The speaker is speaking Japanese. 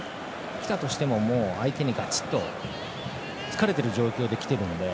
来たとしても、相手にがちっとつかれている状況で来ているので。